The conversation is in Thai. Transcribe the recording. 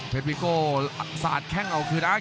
เพชรวิโก้สาดแข้งเอาคืน